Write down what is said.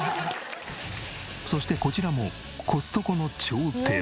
そしてこちらもコストコの超定番。